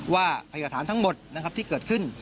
ว่าพยาศาลทั้งหมดที่เกิดขึ้น